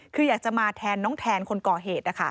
คืออยากจะมาแทนน้องแทนคนก่อเหตุ